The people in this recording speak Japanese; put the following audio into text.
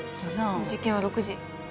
事件は６時。